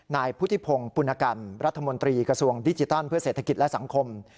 นายพุทธิพงศ์ปุณกรรมรัฐมนตรีกระทรวงดิจิทัลเพื่อเศรษฐกิจและสังคม